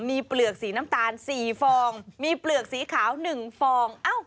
มีเปลือกสีน้ำตาล๔ฟองมีเปลือกสีขาว๑ฟอง